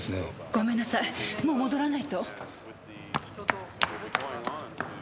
ごめんなさいもう戻らないと。